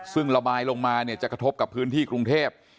ซึ่งระบายลงมาเนี่ยจะกระทบกับพื้นที่กรุงเทพ